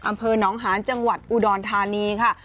อำเภอน้องหานจังหวัดอุดรธานีค่ะ